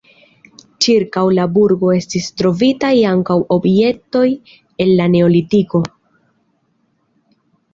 Ĉirkaŭ la burgo estis trovitaj ankaŭ objektoj el la neolitiko.